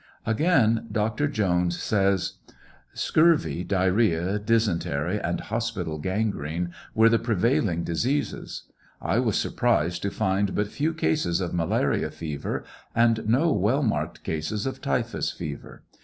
Again Dr. Jones says : Scurvy, diarrhoea, dysentery, and hospital gangrene were the prevailing diseases. I was surprised to find but few cases of malarial fever, and no well marked cases of typhus fever.